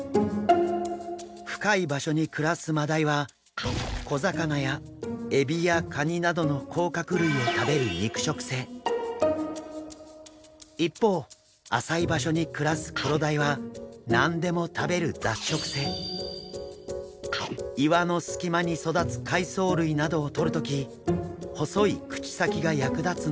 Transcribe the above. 深い場所に暮らすマダイは小魚やエビやカニなどの甲殻類を食べる一方浅い場所に暮らすクロダイは何でも食べる岩の隙間に育つ海藻類などをとる時細い口先が役立つんです。